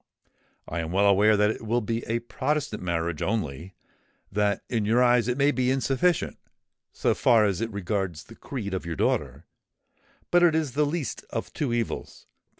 I am well aware that it will be a Protestant marriage only;—that in your eyes it may be insufficient, so far as it regards the creed of your daughter;—but it is the least of two evils.